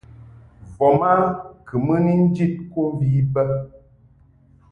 Voma kɨ mɨ ni njid kɨmvi bə.